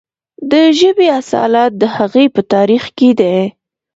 د ژبې اصالت د هغې په تاریخ کې دی.